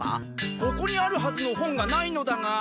ここにあるはずの本がないのだが。